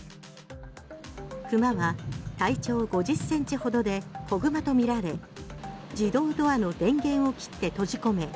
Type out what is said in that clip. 熊は体長５０センチほどで子熊とみられ自動ドアの電源を切って閉じ込め